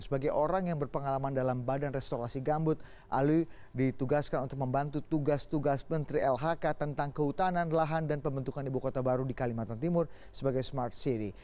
sebagai orang yang berpengalaman dalam badan restorasi gambut alwi ditugaskan untuk membantu tugas tugas menteri lhk tentang kehutanan lahan dan pembentukan ibu kota baru di kalimantan timur sebagai smart city